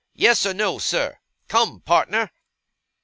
Yes or no, sir? Come, partner!